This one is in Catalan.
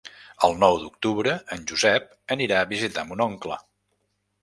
El nou d'octubre en Josep anirà a visitar mon oncle.